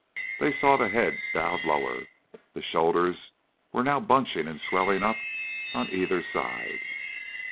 They saw the head bowed lower; the shoulders were now bunching and swelling up on either side.